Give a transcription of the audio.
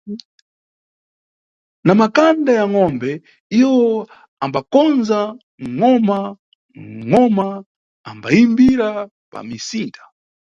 Na makanda ya ngʼombe, iwo ambakondza ngʼoma, ngʼoma ambayimbira pa misinda.